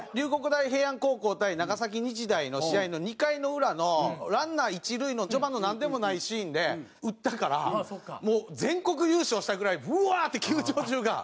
大平安高校対長崎日大の試合の２回の裏のランナー一塁の序盤のなんでもないシーンで打ったからもう全国優勝したぐらいブワーッて球場中が。